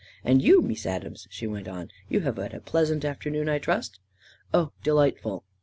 "And you, Mees Adams," she went on, "you have had a pleasant afternoon, I trust? "" Oh, delightful